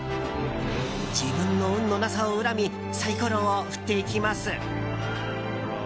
自分の運のなさを恨みサイコロを振っていきます。